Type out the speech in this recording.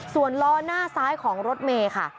ส่วนล้อหน้าซ้ายของรถเมย์ค่ะ